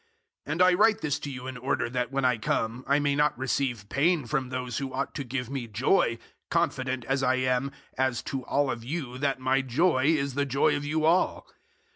002:003 And I write this to you in order that when I come I may not receive pain from those who ought to give me joy, confident as I am as to all of you that my joy is the joy of you all.